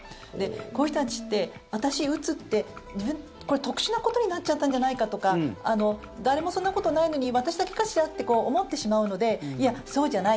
こういう人たちって私、うつってこれは特殊なことになっちゃったんじゃないかとか誰もそんなことないのに私だけかしらと思ってしまうのでいや、そうじゃない。